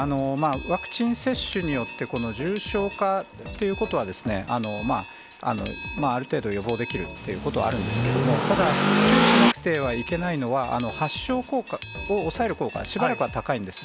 ワクチン接種によって、この重症化ということは、ある程度予防できるということはあるんですけれども、ただ、注意しなくてはいけないのが、発症効果を抑える効果、しばらくは高いんです。